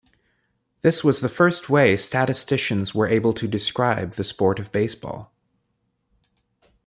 This was the first way statisticians were able to describe the sport of baseball.